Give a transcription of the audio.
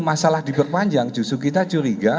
masalah diperpanjang justru kita curiga